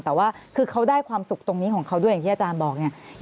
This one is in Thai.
แต่ว่าคือเขาได้ความสุขตรงนี้ของเขาด้วยอย่างที่อาจารย์บอกเนี่ย